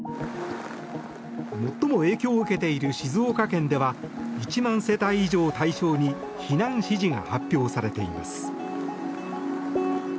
最も影響を受けている静岡県では１万世帯以上を対象に避難指示が発表されています。